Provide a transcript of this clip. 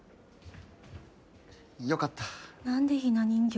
よかった何でひな人形？